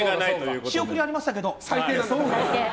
仕送りありましたけど。